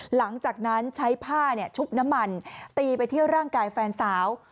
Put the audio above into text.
หลังจากนั้นใช้ผ้าชุบน้ำมันตีไปเที่ยวร่างกายแฟนสาว